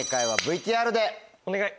お願い！